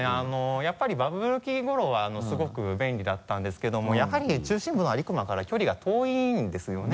やっぱりバブル期頃はすごく便利だったんですけどもやはり中心部の安里隈から距離が遠いんですよね。